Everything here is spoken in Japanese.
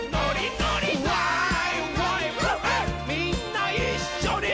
みんないっしょに。